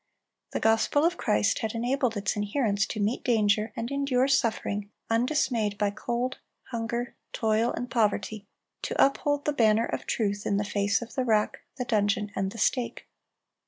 (349) The gospel of Christ had enabled its adherents to meet danger and endure suffering, undismayed by cold, hunger, toil, and poverty, to uphold the banner of truth in face of the rack, the dungeon, and the stake.